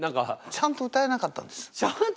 ちゃんと歌えなかった？